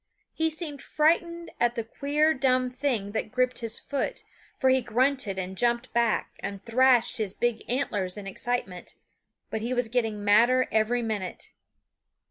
He seemed frightened at the queer, dumb thing that gripped his foot, for he grunted and jumped back and thrashed his big antlers in excitement; but he was getting madder every minute.